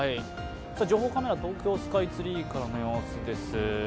情報カメラ、東京スカイツリーからの様子です。